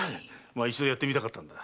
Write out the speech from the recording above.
一度やってみたかったんだ。